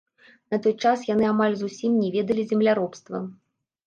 На той час яны амаль зусім не ведалі земляробства.